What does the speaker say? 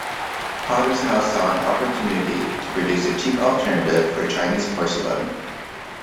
Potters now saw an opportunity to produce a cheap alternative for Chinese porcelain.